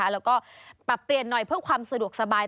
แล้วก็ปรับเปลี่ยนหน่อยเพื่อความสะดวกสบาย